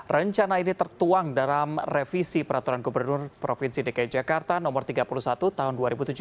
rencana ini tertuang dalam revisi peraturan gubernur provinsi dki jakarta no tiga puluh satu tahun dua ribu tujuh belas